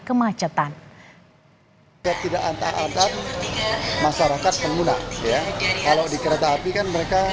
kemacetan ketidakata adat masyarakat pengguna ya kalau di kereta api kan mereka